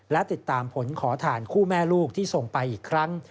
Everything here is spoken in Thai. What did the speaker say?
และติดตามผลขอฐานคู่แม่ลูกที่ส่งไปอีกครั้ง